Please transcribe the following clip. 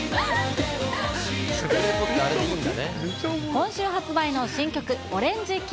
今週発売の新曲、オレンジＫｉｓｓ。